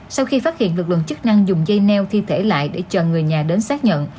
sau khi phát hiện lực lượng chức năng dùng dây neo thi thể lại để chờ người nhà đến xác nhận